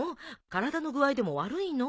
体の具合でも悪いの？